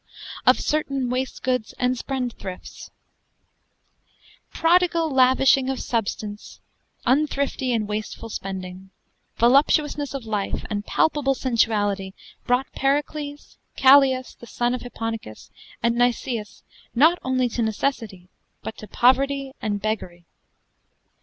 OF CERTAINE WASTGOODES AND SPENDTHRIFTES Prodigall lavishing of substance, unthrifty and wastifull spending, voluptuousness of life and palpable sensuality brought Pericles, Callias, the sonne of Hipponicus, and Nicias not only to necessitie, but to povertie and beggerie.